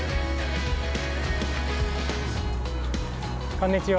こんにちは。